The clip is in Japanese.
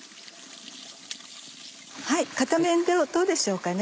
片面どうでしょうかね。